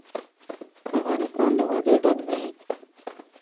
افغانستان له وادي ډک دی.